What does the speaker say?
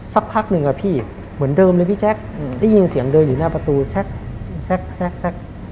สักพักหนึ่งอะพี่เหมือนเดิมเลยพี่แจ๊คได้ยินเสียงเดินอยู่หน้าประตูแซก